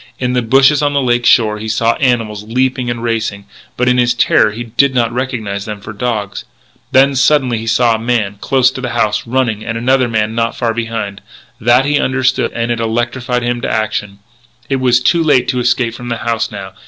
In the bushes on the lake shore he saw animals leaping and racing, but, in his terror, he did not recognise them for dogs. Then, suddenly, he saw a man, close to the house, running: and another man not far behind. That he understood, and it electrified him into action. It was too late to escape from the house now.